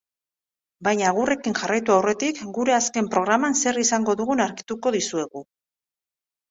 Baina agurrekin jarraitu aurretik gure azken programan zer izango dugun argituko dizuegu.